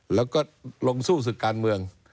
แล้วก็ลงสู้ศึกการเมือง